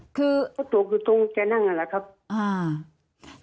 ก็ตกอยู่ตรงแกนั่งนั่นแหละครับ